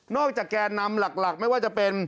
นอกจากแก่นำหลักไม่ว่าจะเป็น